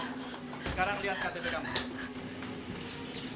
sekarang liat ktp kamu